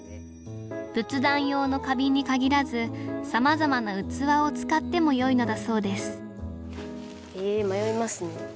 仏壇用の花瓶に限らずさまざまな器を使ってもよいのだそうですえ迷いますね。